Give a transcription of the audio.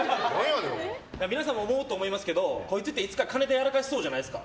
皆さんも思うと思いますけどこいつって金でいつかやらかしそうじゃないですか。